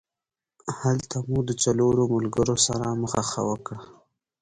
هلته مو د څلورو ملګرو سره مخه ښه وکړه.